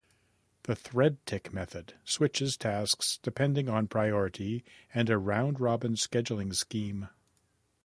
The thread tick method switches tasks depending on priority and a round-robin scheduling scheme.